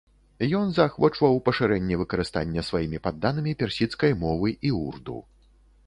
Ён заахвочваў пашырэнне выкарыстання сваімі падданымі персідскай мовы і урду.